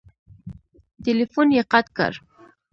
ټیلیفون یې قطع کړ !